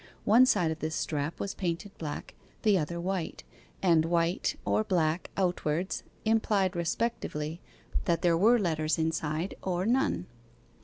One side of this strap was painted black, the other white, and white or black outwards implied respectively that there were letters inside, or none.